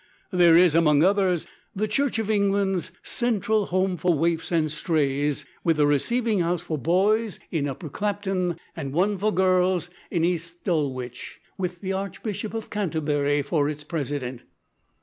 There is, among others, The Church of England `_Central Home for Waifs and Strays_,' with a `Receiving House' for boys in Upper Clapton, and one for girls in East Dulwich, with the Archbishop of Canterbury for its President.